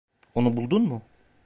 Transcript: Onu buldun mu?